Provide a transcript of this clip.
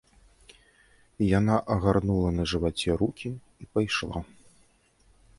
Яна агарнула на жываце рукі і пайшла.